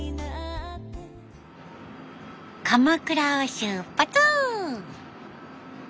鎌倉を出発！